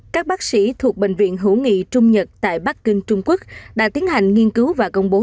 các bác sĩ thuộc bệnh viện hữu nghị trung nhật tại bắc kinh trung quốc đã tiến hành nghiên cứu và công bố